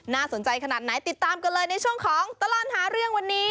สนใจขนาดไหนติดตามกันเลยในช่วงของตลอดหาเรื่องวันนี้